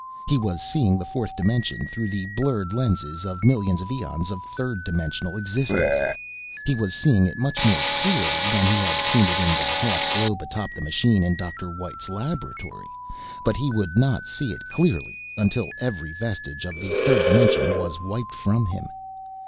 He was seeing the fourth dimension through the blurred lenses of millions of eons of third dimensional existence. He was seeing it much more clearly than he had seen it in the half globe atop the machine in Dr. White's laboratory, but he would not see it clearly until every vestige of the third dimension was wiped from him.